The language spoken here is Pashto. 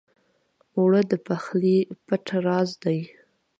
اوړه د پخلي پټ راز دی